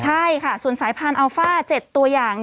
ใช่ค่ะส่วนสายพันธุ์อัลฟ่า๗ตัวอย่าง